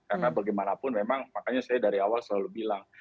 karena bagaimanapun memang makanya saya dari awal selalu bilang